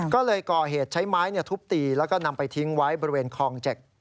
ก็เลยก่อเหตุใช้ไม้ทุบตีแล้วก็นำไปทิ้งไว้บริเวณคลอง๗